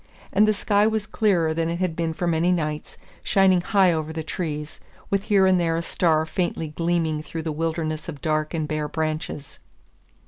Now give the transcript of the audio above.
And the sky was clearer than it had been for many nights, shining high over the trees, with here and there a star faintly gleaming through the wilderness of dark and bare branches.